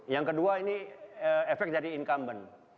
yang kedua ini efek dari incumbent